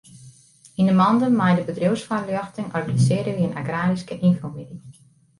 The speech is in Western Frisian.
Yn 'e mande mei de bedriuwsfoarljochting organisearje wy in agraryske ynfomiddei.